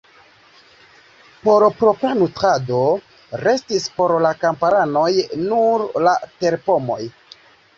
Por propra nutrado restis por la kamparanoj nur la terpomoj.